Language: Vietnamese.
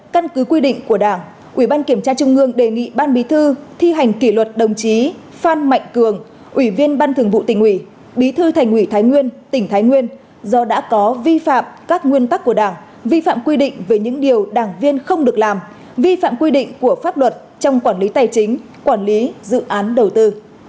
căn cứ quy định của đảng ủy ban kiểm tra trung ương đề nghị ban bí thư thi hành kỷ luật đồng chí phan mạnh cường ủy viên ban thường vụ tỉnh ủy bí thư thành ủy thái nguyên tỉnh thái nguyên do đã có vi phạm các nguyên tắc của đảng vi phạm quy định về những điều đảng viên không được làm vi phạm quy định của pháp luật trong quản lý tài chính quản lý dự án đầu tư